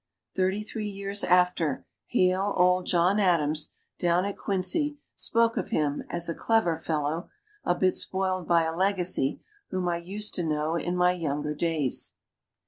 Thirty three years after, hale old John Adams down at Quincy spoke of him as "a clever fellow, a bit spoiled by a legacy, whom I used to know in my younger days."